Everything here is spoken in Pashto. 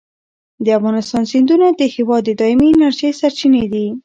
د افغانستان سیندونه د هېواد د دایمي انرژۍ سرچینې دي.